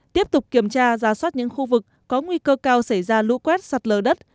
tiếp tục kiểm tra ra soát những khu vực có nguy cơ cao xảy ra lũ quét sạt lờ đất